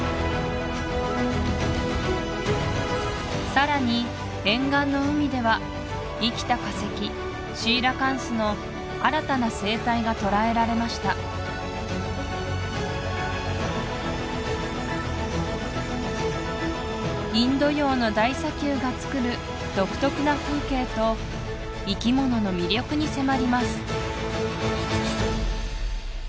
さらに沿岸の海では生きた化石シーラカンスの新たな生態が捉えられましたインド洋の大砂丘がつくる独特な風景と生き物の魅力に迫ります